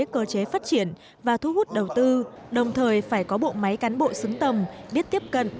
cơ chế phát triển và thu hút đầu tư đồng thời phải có bộ máy cán bộ xứng tầm biết tiếp cận